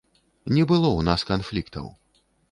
Не было ў нас канфліктаў.